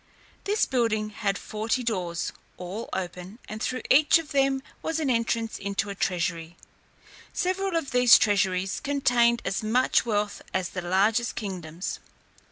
This building had forty doors, all open, and through each of them was an entrance into a treasury: several of these treasuries contained as much wealth as the largest kingdoms.